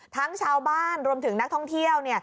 ทั้งชาวบ้านรวมถึงนักท่องเที่ยว